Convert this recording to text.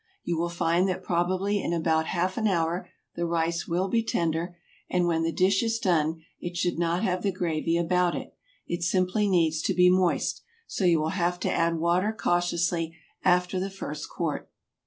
You will find that probably in about half an hour the rice will be tender, and when the dish is done it should not have the gravy about it; it simply needs to be moist, so you will have to add water cautiously after the first quart.